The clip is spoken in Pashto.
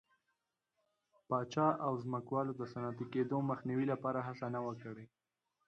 پاچا او ځمکوالو د صنعتي کېدو مخنیوي لپاره هڅه نه وه کړې.